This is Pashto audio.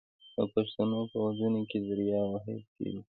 د پښتنو په ودونو کې دریا وهل کیږي.